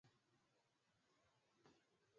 ya Kasp Dnepr unaoishia katika Bahari Nyeusi